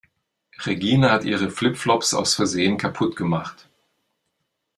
Regina hat ihre Flip-Flops aus Versehen kaputt gemacht.